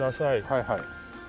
はいはい。